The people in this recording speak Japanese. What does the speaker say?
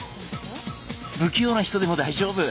不器用な人でも大丈夫。